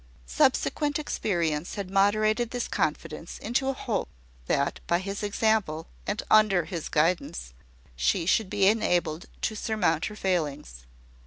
Subsequent experience had moderated this confidence into a hope that, by his example, and under his guidance, she should be enabled to surmount her failings.